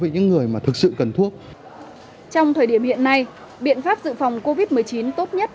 những người mà thực sự cần thuốc trong thời điểm hiện nay biện pháp dự phòng covid một mươi chín tốt nhất